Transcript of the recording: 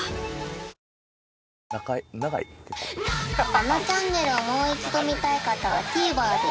『あのちゃんねる』をもう一度見たい方は ＴＶｅｒ で